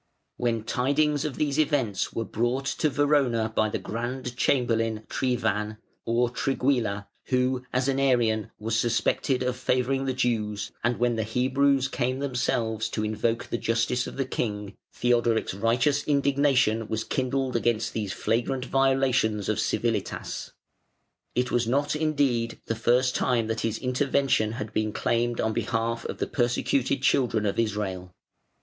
] When tidings of these events were brought to Verona by the Grand Chamberlain Triwan (or Trigguilla) who, as an Arian, was suspected of favouring the Jews, and when the Hebrews came themselves to invoke the justice of the King, Theodoric's righteous indignation was kindled against these flagrant violations of civilitas. It was not, indeed, the first time that his intervention had been claimed on behalf of the persecuted children of Israel.